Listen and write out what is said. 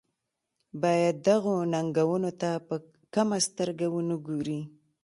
باید دغو ننګونو ته په کمه سترګه ونه ګوري.